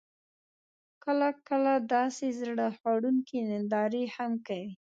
کله، کله داسې زړه خوړونکې نندارې هم کوي: